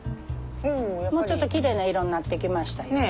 もうちょっときれいな色になってきましたよ。